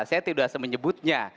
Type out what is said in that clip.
saya tidak semenyebutnya